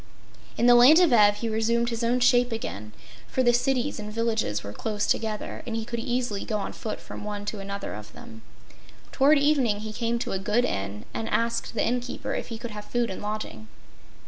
In the land of Ev he resumed his own shape again, for the cities and villages were close together and he could easily go on foot from one to another of them. Toward evening he came to a good Inn and asked the inn keeper if he could have food and lodging.